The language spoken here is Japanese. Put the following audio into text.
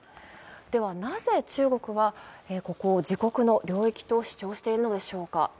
ではなぜ中国はここを自国の領域と主張しているのでしょうか